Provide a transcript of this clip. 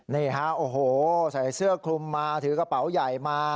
นี่ฮะโอ้โหใส่เสื้อคลุมมาถือกระเป๋าใหญ่มา